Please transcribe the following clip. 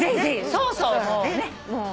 そうそう。